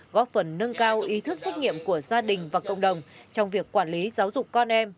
góp phần nâng cao ý thức trách nhiệm của gia đình và cộng đồng trong việc quản lý giáo dục con em